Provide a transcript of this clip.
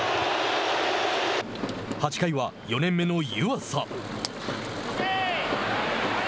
８回は４年目の湯浅。